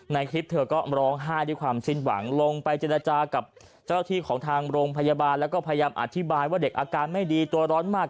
ในคลิปเธอก็ร้องไห้ด้วยความสิ้นหวังลงไปเจรจากับเจ้าที่ของทางโรงพยาบาลแล้วก็พยายามอธิบายว่าเด็กอาการไม่ดีตัวร้อนมาก